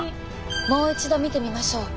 もう一度見てみましょう。